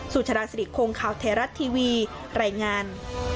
สุธราษฎีโครงข่าวแทรรัสทีวีรายงาน